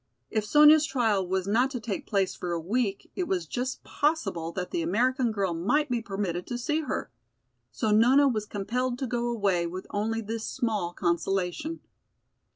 If Sonya's trial was not to take place for a week, it was just possible that the American girl might be permitted to see her. So Nona was compelled to go away with only this small consolation.